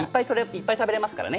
いっぱい食べられますからね。